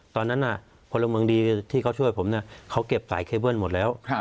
ตอนนั้นน่ะผลวงเมืองดีที่เขาช่วยผมเนี่ยเขาเก็บสายเคเบิ้ลหมดแล้ว